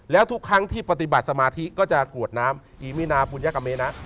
แล้วทุกครั้งที่ปฏิบัติสมาธิก็จะกรวดน้ำอีมินาปุญญากเมนะ